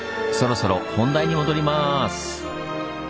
そろそろ本題に戻ります。